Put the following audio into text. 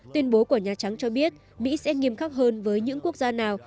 tuyên bố của nhà trắng cho biết mỹ sẽ nghiêm khắc hơn với những quốc gia nào